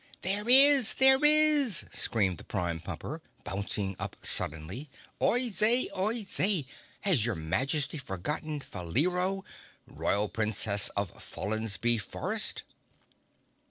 "There is—There are!" screamed the Prime Pumper, bouncing up suddenly. "Oyez, Oyez! Has your Majesty forgotten Faleero, royal Princess of Follensby forest?"